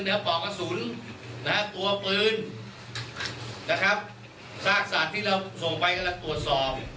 เนื้อปอกกระสุนนะครับตัวปืนนะครับทราคศาสตร์ที่เราส่งไปแล้วก็ตรวจสอบ